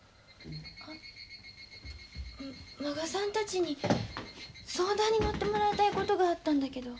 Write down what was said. あ満賀さんたちに相談に乗ってもらいたいことがあったんだけど。